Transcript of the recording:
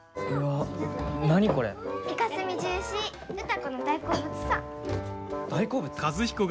歌子の大好物さ。